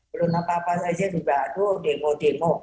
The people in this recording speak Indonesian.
belum apa apa saja juga aduh demo demo